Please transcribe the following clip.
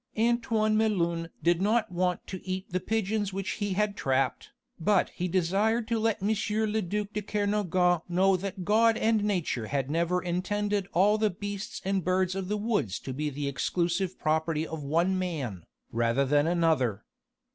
Antoine Melun did not want to eat the pigeons which he had trapped, but he desired to let M. le duc de Kernogan know that God and Nature had never intended all the beasts and birds of the woods to be the exclusive property of one man, rather than another.